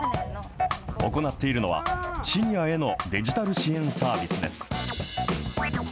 行っているのは、シニアへのデジタル支援サービスです。